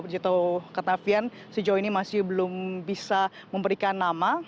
juto ketnafian sejauh ini masih belum bisa memberikan nama